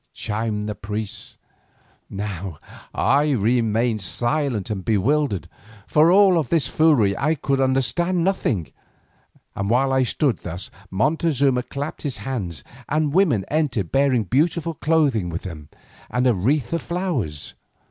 chimed in the priests. Now I remained silent and bewildered, for of all this foolery I could understand nothing, and while I stood thus Montezuma clapped his hands and women entered bearing beautiful clothing with them, and a wreath of flowers.